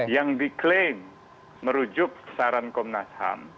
yang diklaim merujuk saran komnas ham